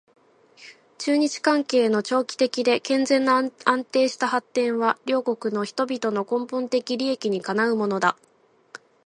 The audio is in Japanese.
中日関係の長期的で健全な安定した発展は両国の人々の根本的利益にかなうものだ